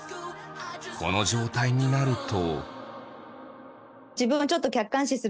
この状態になると。